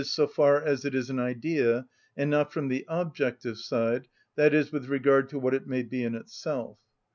_, so far as it is an idea, and not from the objective side, i.e., with regard to what it may be in itself.